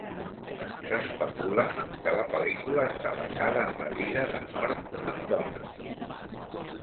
S'especula que la pel·lícula està basada en la vida de Norm Macdonald.